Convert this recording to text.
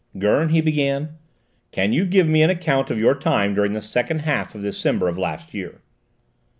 "Gurn," he began, "can you give me an account of your time during the second half of December of last year?"